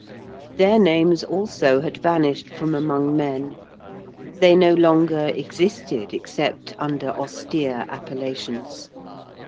Their names, also, had vanished from among men; they no longer existed except under austere appellations.